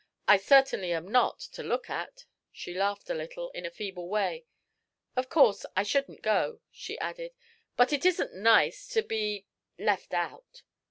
I certainly am not, to look at." She laughed a little, in a feeble way. "Of course I shouldn't go," she added, "but it isn't nice to be left out."